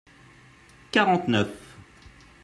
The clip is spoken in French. quarante neuf.